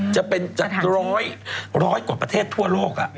จะเป็นจากร้อยกว่าประเทศทั่วโลก